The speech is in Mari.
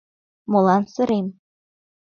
Молан сырем?